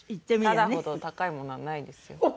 タダほど高いものはないですよ。